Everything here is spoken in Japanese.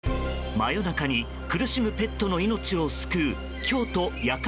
真夜中に苦しむペットの命を救う京都夜間